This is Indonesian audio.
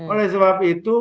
oleh sebab itu